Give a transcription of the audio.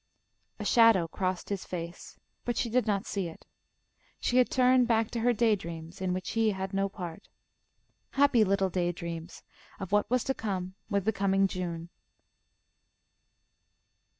A shadow crossed his face, but she did not see it. She had turned back to her day dreams in which he had no part. Happy little day dreams, of what was to come with the coming June.